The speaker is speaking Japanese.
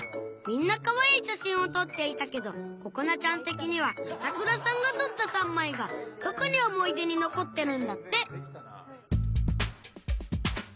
みんなかわいい写真を撮っていたけどここなちゃん的には板倉さんが撮った３枚が特に思い出に残ってるんだって